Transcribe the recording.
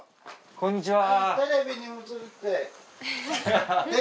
こんにちは。